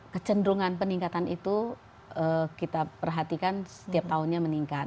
kecenderungan peningkatan itu kita perhatikan setiap tahunnya meningkat